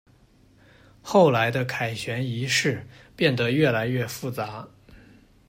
后来的凯旋仪式变得越来越复杂。